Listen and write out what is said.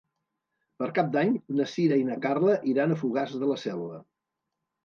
Per Cap d'Any na Sira i na Carla iran a Fogars de la Selva.